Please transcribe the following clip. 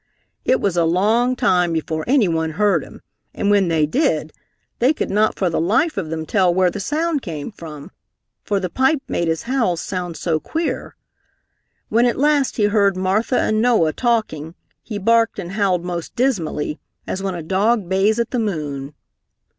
It was a long time before anyone heard him and when they did, they could not for the life of them tell where the sound came from, for the pipe made his howls sound so queer. When at last he heard Martha and Noah talking, he barked and howled most dismally, as when a dog bays at the moon.